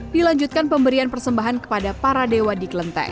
dilanjutkan pemberian persembahan kepada para dewa di klenteng